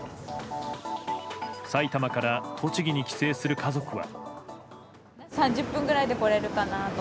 埼玉から栃木に帰省する家族は。